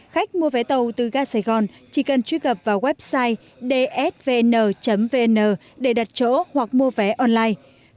khách mua vé tàu từ ga sài gòn chỉ cần truy cập vào website dsvn vn để đặt chỗ hoặc mua vé online